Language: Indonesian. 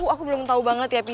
aku belum tau banget ya pi